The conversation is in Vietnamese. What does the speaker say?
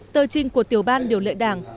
tờ trình của tiểu ban điều lệ đảng